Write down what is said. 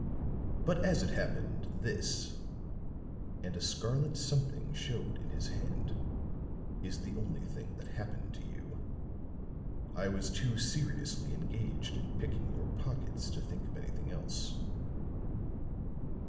But as it happened, this," and a scarlet something showed in his hand, "is the only thing that happened to you. I was too seriously engaged in picking your pockets to think of anything else."